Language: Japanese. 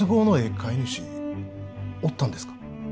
買い主おったんですか？